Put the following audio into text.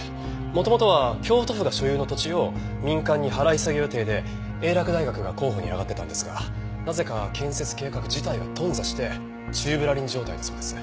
元々は京都府が所有の土地を民間に払い下げ予定で英洛大学が候補に挙がってたんですがなぜか建設計画自体が頓挫して宙ぶらりん状態だそうです。